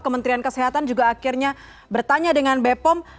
kementerian kesehatan juga akhirnya bertanya dengan bepom